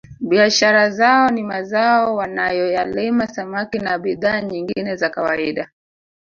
Biashara zao ni mazao wanayoyalima samaki na bidhaa nyingine za kawaida